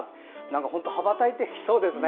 本当羽ばたいていきそうですね。